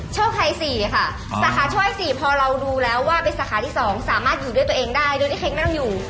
โชคไทย๔ค่ะสาขาโชค๔พอเราดูแล้วว่าเป็นสาขาที่๒สามารถอยู่ด้วยตัวเองได้โดยที่เค้งไม่ต้องอยู่